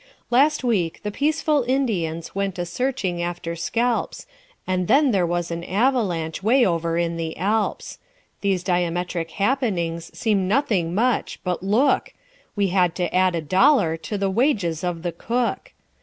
Last week the peaceful Indians went a searching after scalps, And then there was an avalanche 'way over in the Alps; These diametric happenings seem nothing much, but look We had to add a dollar to the wages of the cook.